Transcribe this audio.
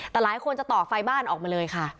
แต่หลายคนจะต่อไฟบ้านออกมาเลยค่ะ